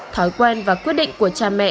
thói quen và quyết định của cha mẹ